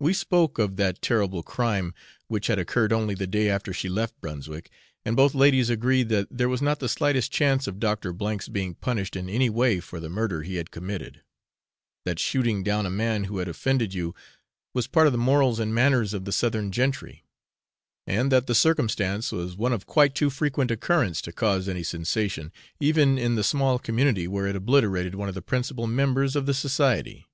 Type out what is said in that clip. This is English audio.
We spoke of that terrible crime which had occurred only the day after she left Brunswick, and both ladies agreed that there was not the slightest chance of Dr. H 's being punished in any way for the murder he had committed; that shooting down a man who had offended you was part of the morals and manners of the southern gentry, and that the circumstance was one of quite too frequent occurrence to cause any sensation, even in the small community where it obliterated one of the principal members of the society.